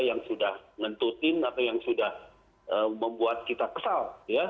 yang sudah ngentutin atau yang sudah membuat kita kesal